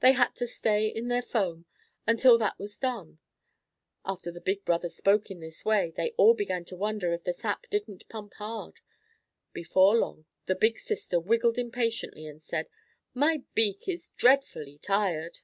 They had to stay in their foam until that was done. After the big brother spoke in this way, they all began to wonder if the sap didn't pump hard. Before long the big sister wiggled impatiently and said, "My beak is dreadfully tired."